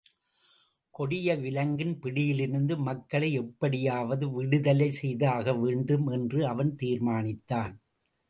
கொடிய விலங்கின் பிடியிலிருந்து மக்களை எப்படியாவது விடுதலை செய்தாக வேண்டும் என்று அவன் தீர்மானித்தான்.